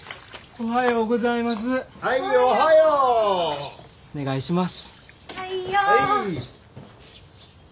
おはようございます。